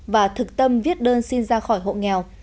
và thực tâm viết đơn xin ra khỏi hộ nghèo